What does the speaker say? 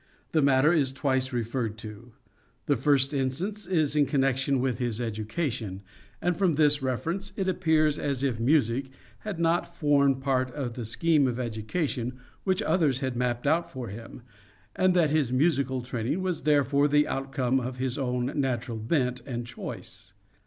The matter is twice referred to. The first instance is in connection with his education, and from this reference it appears as if music had not formed part of the scheme of education which others had mapped out for him, and that his musical training was therefore the outcome of his own natural bent and choice.